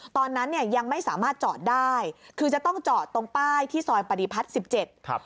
ตอนนั้นเนี่ยยังไม่สามารถจอดได้คือจะต้องจอดตรงป้ายที่ซอยปฏิพัฒน์สิบเจ็ดครับ